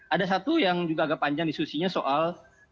ada satu yang juga agak panjang diskusinya soal